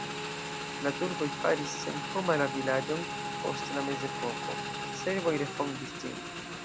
La turkoj faris senhoma la vilaĝon post la mezepoko, serboj refondis ĝin.